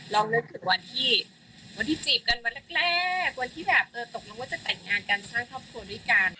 ลองนึกถึงวันที่จีบกันวันแรกวันที่ตกลงว่าจะแต่งงานกันสร้างครอบครัวด้วยกัน